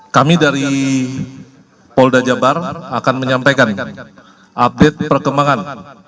kami dari polda jabar akan menyampaikan update perkembangan